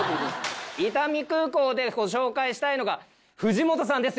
伊丹空港でご紹介したいのが藤本さんです